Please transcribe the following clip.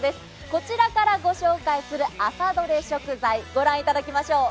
こちらからご紹介する朝どれ食材ご覧いただきましょう。